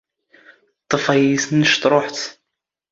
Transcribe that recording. ⵟⵟⴼ ⴰⵢⵢⵉⵙ ⵏⵏⵛ ⵜⵕⵓⵃⴷ.